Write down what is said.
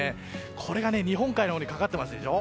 これが日本海のほうにかかっていますでしょ。